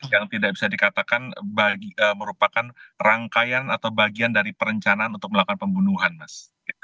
yang tidak bisa dikatakan merupakan rangkaian atau bagian dari perencanaan untuk melakukan pembunuhan mas